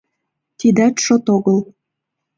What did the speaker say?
Тидат шот огыл.